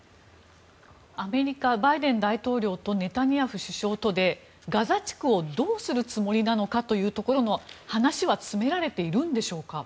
アメリカバイデン大統領とネタニヤフ首相とでガザ地区をどうするつもりなのかというところの話は詰められているんでしょうか。